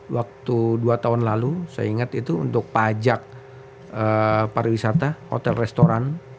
waktu dua tahun lalu saya ingat itu untuk pajak pariwisata hotel restoran